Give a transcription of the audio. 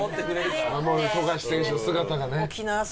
守る富樫選手の姿がね。